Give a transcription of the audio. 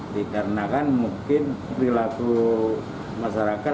dikarenakan mungkin perilaku masyarakat